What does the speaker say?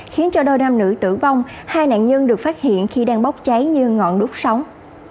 khiến cho đôi nam nữ tử vong hai nạn nhân được phát hiện khi đang bốc cháy như ngọn đút sống